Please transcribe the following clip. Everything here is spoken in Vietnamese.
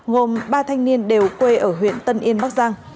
gồm ba thanh niên đều quê ở huyện tân yên bắc giang